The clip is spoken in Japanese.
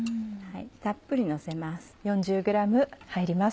たっぷりのせます。